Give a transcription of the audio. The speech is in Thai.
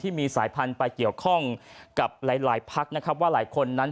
มีสายพันธุ์ไปเกี่ยวข้องกับหลายหลายพักนะครับว่าหลายคนนั้น